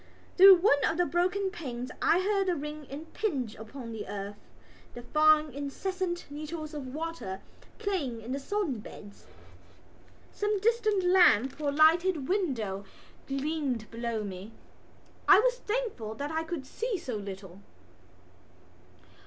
Through one of the broken panes I heard the rain impinge upon the earth, the fine incessant needles of water playing in the sodden beds. Some distant lamp or lighted window gleamed below me. I was thankful that I could see so little.